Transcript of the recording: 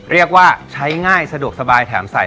เรียกว่าใช้ง่ายสะดวกสบายแถมใส่